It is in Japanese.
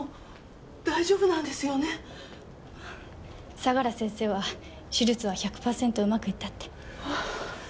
相良先生は手術は１００パーセントうまくいったって。